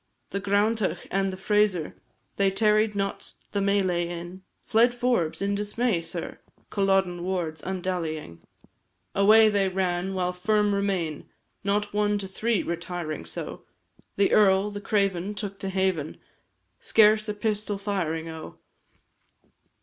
The Granndach and the Frazer, They tarried not the melee in; Fled Forbes, in dismay, sir, Culloden wards, undallying. Away they ran, while firm remain, Not one to three, retiring so, The earl, the craven, took to haven, Scarce a pistol firing, O!